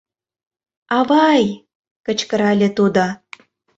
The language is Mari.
Авай! — кычкырале тудо.